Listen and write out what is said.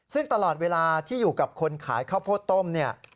ซึ่งตลอดเวลาที่อยู่กับคนขายข้าวโพดต้มเนี่ย